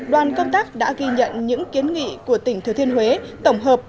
đoàn công tác đã ghi nhận những kiến nghị của tỉnh thừa thiên huế tổng hợp